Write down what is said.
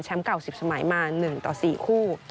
เก่า๑๐สมัยมา๑ต่อ๔คู่